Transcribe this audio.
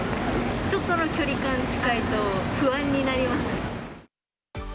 人との距離感近いと、不安になりますね。